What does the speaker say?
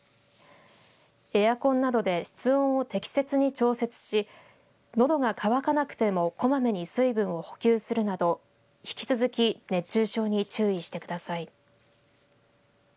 エアコンなどで室温を適切に調節しのどが渇かなくてもこまめに水分を補給するなど引き続き熱中症に注意してください。